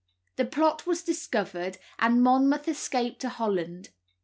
The plot was discovered, and Monmouth escaped to Holland.